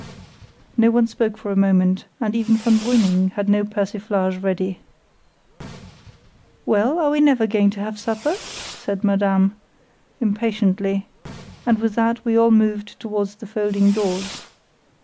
No one spoke for a moment, and even von Brüning had no persiflage ready. "Well, are we never going to have supper?" said Madame impatiently; and with that we all moved towards the folding doors.